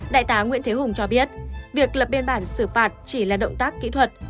đại tá nguyễn thế hùng cho biết việc lập biên bản xử phạt chỉ là động tác kỹ thuật